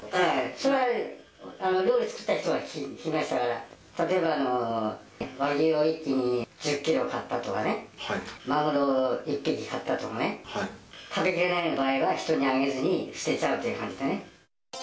それは料理作ってた人に聞きましたから、例えば和牛を一気に１０キロ買ったとかね、マグロを１匹買ったとかね、食べきれない場合は人にあげずに捨てちゃうという感じでね。